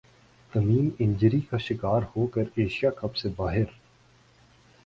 تمیم injury کا شکار ہو کر ایشیا کپ سے باہر